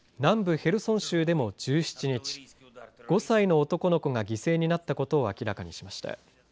ヘルソン州でも１７日、５歳の男の子が犠牲になったことを明らかにしました。